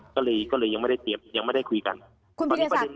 ก็เลยก็เลยยังไม่ได้เตรียมยังไม่ได้คุยกันคุณพิราศักดิ์